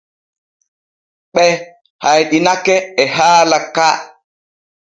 Ɓe hayɗinake e haala ka.